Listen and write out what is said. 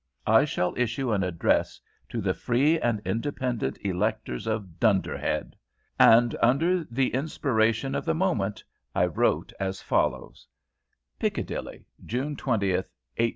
I shall issue an address to the free and independent electors of Dunderhead. And under the inspiration of the moment I wrote as follows: "PICCADILLY, June 20, 1865.